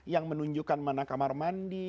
yang menunjukkan mana kamar mandi